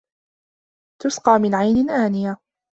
تُسقى مِن عَينٍ آنِيَةٍ